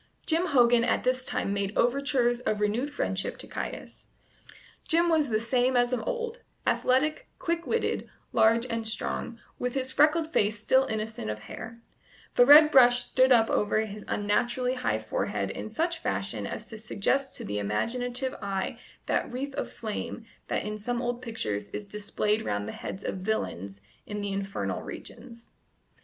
Jim Hogan at this time made overtures of renewed friendship to Caius. Jim was the same as of old athletic, quick witted, large and strong, with his freckled face still innocent of hair; the red brush stood up over his unnaturally high forehead in such fashion as to suggest to the imaginative eye that wreath of flame that in some old pictures is displayed round the heads of villains in the infernal regions.